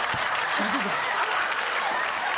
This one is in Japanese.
大丈夫か？